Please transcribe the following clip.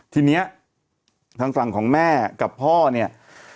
ทีเนี้ยทางของแม่กับพ่อเนี่ย